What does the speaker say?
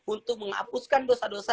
untuk menghapuskan dosa dosa